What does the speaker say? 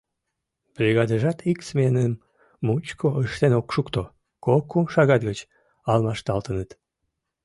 Бригадыжат ик сменым мучко ыштен ок шукто — кок-кум шагат гыч алмашталтыныт.